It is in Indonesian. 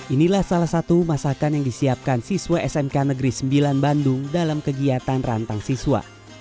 inilah salah satu masakan yang disiapkan siswa smk negeri sembilan bandung dalam kegiatan rantang siswa